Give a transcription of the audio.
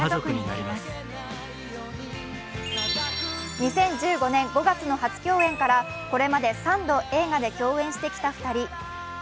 ２０１５年５月の初共演から、これまで３度、映画で共演してきた２人。